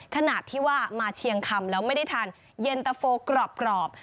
ขนาดที่ว่ามาเชียงคำแล้วไม่ได้ทานเย็นตะโฟกรอบ